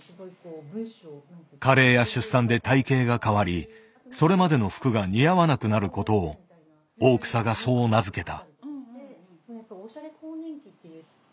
加齢や出産で体形が変わりそれまでの服が似合わなくなることを大草がそう名付けた。